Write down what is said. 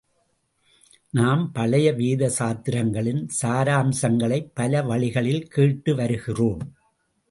நாம் பழைய வேத சாத்திரங்களின் சாராம்சங்களைப் பல வழிகளில் கேட்டு வருகிறோம்.